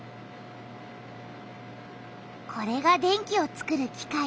これが電気をつくる機械。